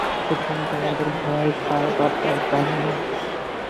সুতরাং তোমাদের ভয় পাবার দরকার নেই।